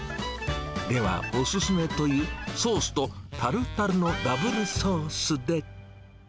ではお勧めという、ソースとタルタルのダブルソースで。